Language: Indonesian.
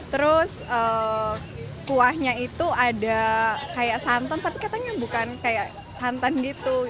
terus kuahnya itu ada kayak santan tapi katanya bukan kayak santan gitu